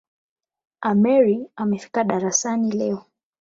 Ameir amefika darasani leo